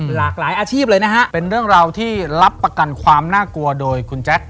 หลากหลายอาชีพเลยนะฮะเป็นเรื่องราวที่รับประกันความน่ากลัวโดยคุณแจ็ค